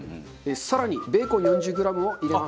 更にベーコン４０グラムを入れます。